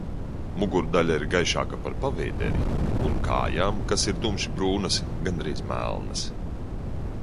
Mugurdaļa ir gaišāka par pavēderi un kājām, kas ir tumši brūnas, gandrīz melnas.